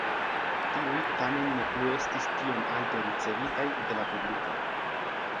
Tiuj tamen ne plu estis tiom alte ricevitaj de la publiko.